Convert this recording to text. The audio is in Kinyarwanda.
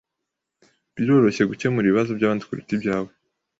Biroroshye gukemura ibibazo byabandi kuruta ibyawe.